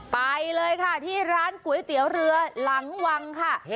ไปเลยค่ะที่ร้านก๋วยเตี๋ยวเรือหลังวังค่ะ